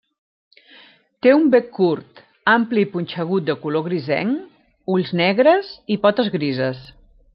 Té un bec curt, ampli i punxegut de color grisenc, ulls negres i potes grises.